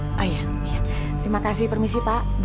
oh ya iya terima kasih permisi pak bu